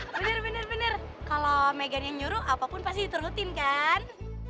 bener bener bener kalau megan yang nyuruh apapun pasti diterutin kan